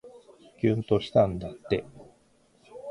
きゅんとしたんだって